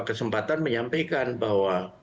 kesempatan menyampaikan bahwa